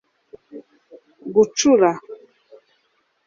gucura